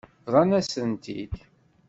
Bḍan-asent-t-id.